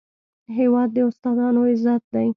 هېواد د استادانو عزت دی.